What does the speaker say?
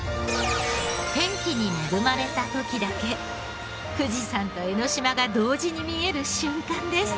天気に恵まれた時だけ富士山と江の島が同時に見える瞬間です。